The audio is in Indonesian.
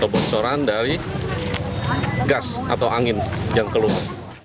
kebocoran dari gas atau angin yang keluar